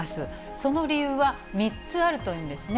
その理由は３つあるというんですね。